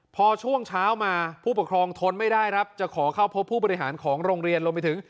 พอช่วงเช้ามาผู้ปกครองทนไม่ได้ครับจะขอเข้าพบผู้บริหารของโรงเรียนรวมไปถึง